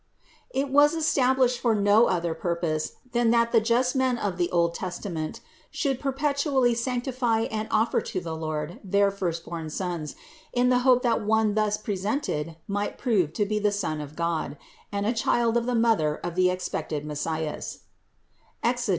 It was established for no other purpose than that the just men of the old Testament should perpetually sanctify and offer to the Lord their first born sons, in the hope that one thus presented might prove to be the Son of God and a Child of the Mother of the expected Messias (Exod.